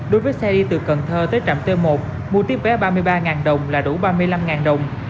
đối với xe đi từ cần thơ tới trạm t một mua tiếp bé ba mươi ba đồng là đủ ba mươi năm đồng